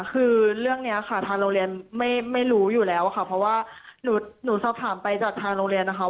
คือเรื่องนี้ค่ะทางโรงเรียนไม่รู้อยู่แล้วค่ะเพราะว่าหนูสอบถามไปจากทางโรงเรียนนะคะ